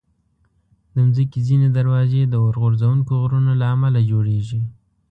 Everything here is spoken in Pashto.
د مځکې ځینې دروازې د اورغورځونکو غرونو له امله جوړېږي.